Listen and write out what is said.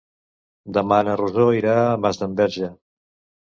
Demà na Rosó irà a Masdenverge.